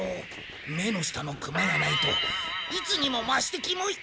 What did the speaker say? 目の下のクマがないといつにもましてキモい。